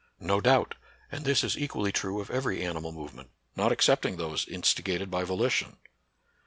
No doubt; and this is equally true of every animal movement, not excepting those insti gated by volition.